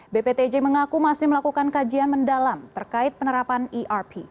bptj mengaku masih melakukan kajian mendalam terkait penerapan erp